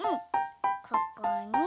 ここに。